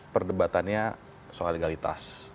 perdebatannya soal legalitas